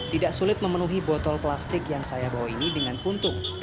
tidak sulit memenuhi botol plastik yang saya bawa ini dengan puntung